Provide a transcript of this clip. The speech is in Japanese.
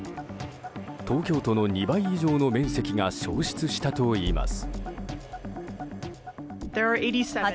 東京都の２倍以上の面積が焼失したといいます。